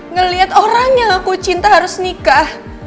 ngelihat orang yang aku cinta harus nikah